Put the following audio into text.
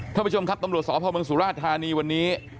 ท่านผู้ชมครับตำรวจสพเมืองสุราชธานีวันนี้